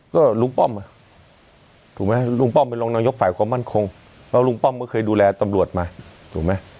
ก็ลุงป้อมถูกไหมลุงป้อมเป็นรองนายกฝ่ายความมั่นคงเพราะลุงป้อมก็เคยดูแลตำรวจมาถูกไหม